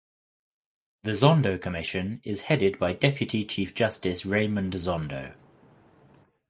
The Zondo Commission is headed by Deputy Chief Justice Raymond Zondo.